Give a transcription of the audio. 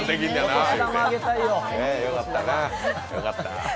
よかったな。